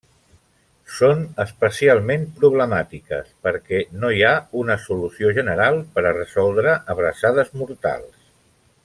Són especialment problemàtiques perquè no hi ha una solució general per a resoldre abraçades mortals.